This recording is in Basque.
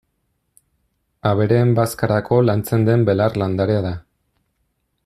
Abereen bazkarako lantzen den belar landarea da.